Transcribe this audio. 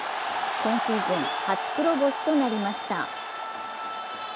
今シーズン初黒星となりました。